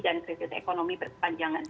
dan krisis ekonomi berkepanjangan